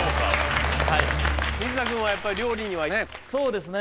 水田君はやっぱ料理にはね。